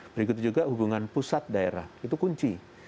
berikut juga hubungan pusat daerah itu kunci